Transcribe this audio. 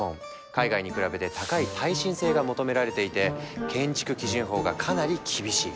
海外に比べて高い耐震性が求められていて建築基準法がかなり厳しい。